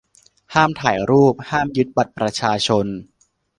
ห้ามถ่ายรูป ห้ามยึดบัตรประชาชน